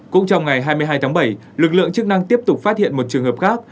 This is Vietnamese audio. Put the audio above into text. cũng trong ngày hai mươi hai tháng bảy lực lượng chức năng tiếp tục phát hiện một trường hợp khác